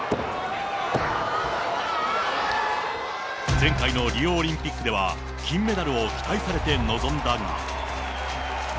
前回のリオオリンピックでは、金メダルを期待されて臨んだが。